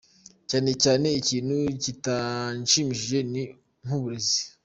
Cyane cyane ikintu kitanshimisha ni nk’uburezi.